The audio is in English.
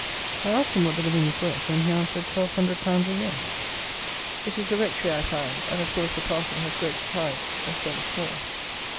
I asked him what the living was worth, and he answered twelve hundred pounds a year. It is a rectory, I find, and of course the parson has great tithes as well as small.